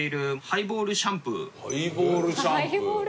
ハイボールシャンプー。